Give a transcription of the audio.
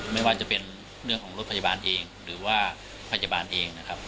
ไม่ว่าจะเป็นเรื่องของรถพยาบาลเองหรือว่าพยาบาลเองนะครับ